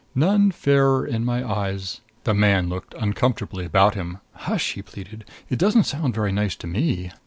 None "fairer in my eyes." The man looked uncomfortably about him. "Hush!" he pleaded. "It doesn't sound very nice to me."